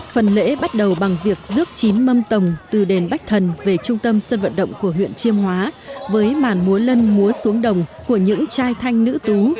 phần lễ bắt đầu bằng việc rước chín mâm tổng từ đền bách thần về trung tâm sân vận động của huyện chiêm hóa với màn múa lân múa xuống đồng của những trai thanh nữ tú